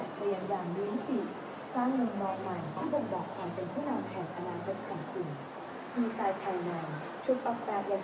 ขนาด๑๐๑๓นิ้วที่สามารถสั่งการและควบคุณระบบต่างข้างในรถได้ด้วยระบบสัมผัส